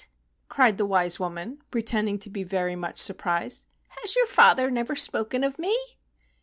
cried the wise woman, pretending to be very much surprised, "has your father never spoken of me